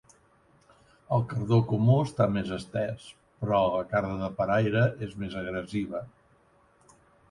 El cardó comú està més estès, però la carda de paraire és més agressiva.